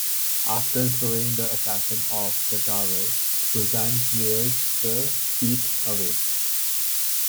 After throwing the Assassin off the tower, Susan clears the teeth away.